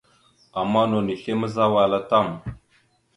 Ama no nislémazza wal a tam.